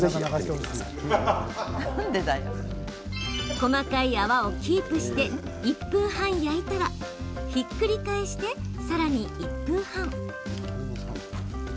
細かい泡をキープして１分半焼いたらひっくり返してさらに１分半。